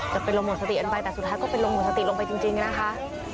จะเป็นลมหมดสติกันไปแต่สุดท้ายก็เป็นลมหมดสติลงไปจริงนะคะ